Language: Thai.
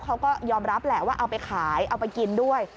เขาก็ยอมรับแหละว่าเอาไปขายเอาไปกินด้วย